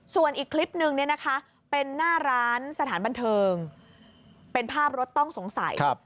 ส่วนอีกคลิปนึงเนี่ยนะคะเป็นหน้าร้านสถานบันเทิงเป็นภาพรถต้องสงสัย